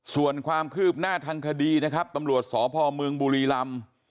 ส่วนความคืบหน้าทางคดีนะครับตำรวจสพเมืองบุรีลำ